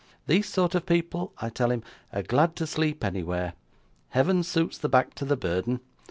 These sort of people, I tell him, are glad to sleep anywhere! Heaven suits the back to the burden.